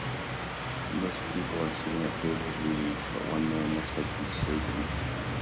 Most people are sitting at tables reading but one man looks like he 's sleeping.